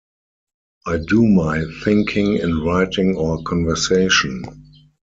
I do my thinking in writing or conversation.